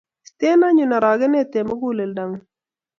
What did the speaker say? Iste anyun arageneet eng' muguleldang'ung'.